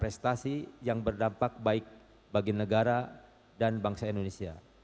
prestasi yang berdampak baik bagi negara dan bangsa indonesia